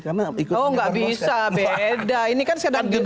karena ikut menyebarkan hukum